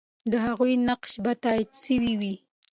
د هغې نقش به تایید سوی وي.